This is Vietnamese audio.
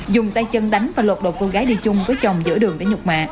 dùng tay chân đánh và lột đầu cô gái đi chung với chồng giữa đường để nhục mạ